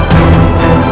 aku mau pergi